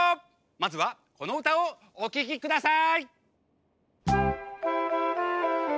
まずはこのうたをおききください！